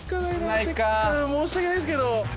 申し訳ないですけど。